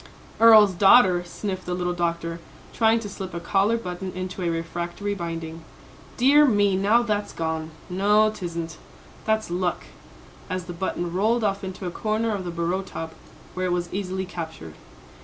"Earl's daughter," sniffed the little doctor, trying to slip a collar button into a refractory binding. "Dear me, now that's gone no, 'tisn't that's luck," as the button rolled off into a corner of the bureau top where it was easily captured.